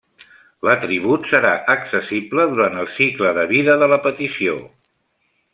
L'atribut serà accessible durant el cicle de vida de la petició.